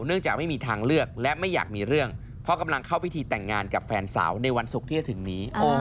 จากไม่มีทางเลือกและไม่อยากมีเรื่องเพราะกำลังเข้าพิธีแต่งงานกับแฟนสาวในวันศุกร์ที่จะถึงนี้